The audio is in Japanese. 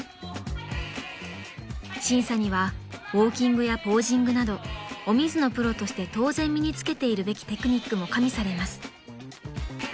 ［審査にはウオーキングやポージングなどお水のプロとして当然身に付けているべきテクニックも加味されます］